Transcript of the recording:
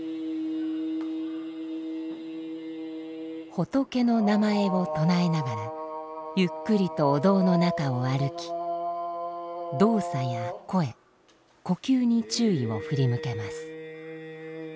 仏の名前を唱えながらゆっくりとお堂の中を歩き動作や声呼吸に注意を振り向けます。